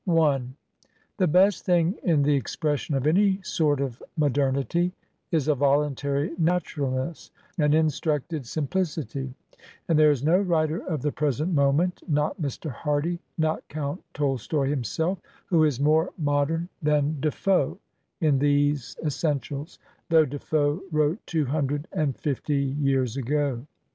I The best thing in the expression of any sort of mo dernity is a voluntary naturalness, an instructed sim pHcity ; and there is no writer of the present moment, not Mr. Hardy, not Count Tolstoy himself, who is more modem than De Foe in these essentials, though De Foe wrote two hundred and fifty years ago.